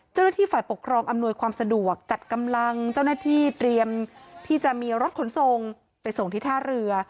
เจ้าหน้าที่ฝ่ายปกครองอำนวยความสะดวกจัดกำลังเจ้าหน้าที่เตรียมที่จะมีรถขนส่งไปส่งที่ท่าเรือ